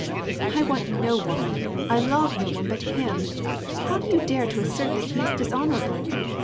" I want no one, I love no one but him ! How do you dare to assert that he is dishonorable